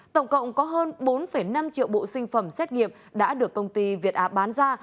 tổng cộng có hơn bốn năm triệu bộ sinh phẩm xét nghiệm đã được công ty việt á bán ra